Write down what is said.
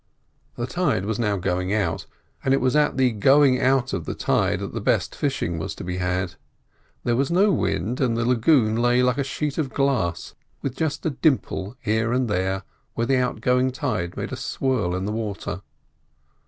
The tide was now going out, and it was at the going out of the tide that the best fishing was to be had. There was no wind, and the lagoon lay like a sheet of glass, with just a dimple here and there where the outgoing tide made a swirl in the water.